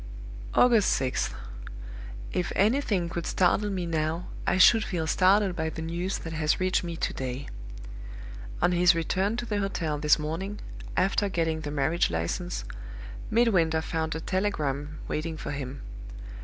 "August 6th. If anything could startle me now, I should feel startled by the news that has reached me to day. "On his return to the hotel this morning, after getting the marriage license, Midwinter found a telegram waiting for him.